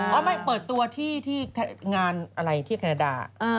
ใช่อ๋อไม่เปิดตัวที่งานอะไรที่แคนดา